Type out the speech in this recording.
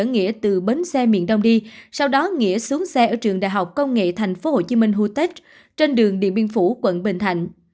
ông m xác nhận nghĩa từ bến xe miền đông đi sau đó nghĩa xuống xe ở trường đại học công nghệ tp hcm hutech trên đường điện biên phủ quận bình thạnh